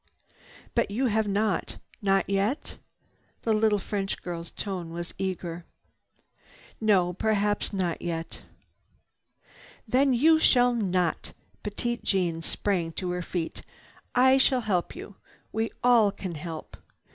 "But you have not. Not yet?" The little French girl's tone was eager. "No, perhaps not yet." "Then you shall not!" Petite Jeanne sprang to her feet. "I shall help you. We all can help.